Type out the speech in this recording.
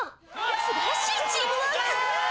すばらしいチームワーク！